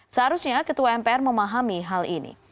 seharusnya ketua mpr memahami hal ini